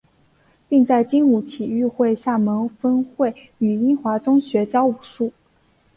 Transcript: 并在精武体育会厦门分会与英华中学教武术。